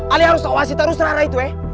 ali harus tau asli tadus rara itu ye